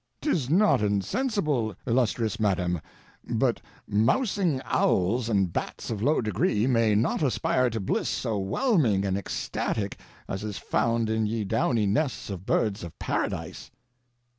'Tis not insensible, illustrious madam; but mousing owls and bats of low degree may not aspire to bliss so whelming and ecstatic as is found in ye downy nests of birdes of Paradise.